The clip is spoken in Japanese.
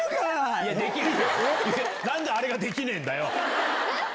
何であれができねえんだよ！